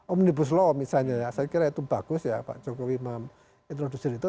omnibus law misalnya saya kira itu bagus ya pak joko wimam introduksi itu